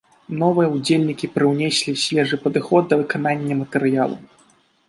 Новыя ўдзельнікі прыўнеслі свежы падыход да выканання матэрыялу.